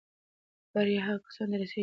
بریا هغو کسانو ته رسېږي چې هڅه نه پرېږدي.